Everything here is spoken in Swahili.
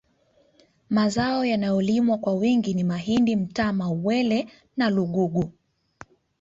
Mazao yanayolimwa kwa wingi ni mahindi mtama uwele na lugugu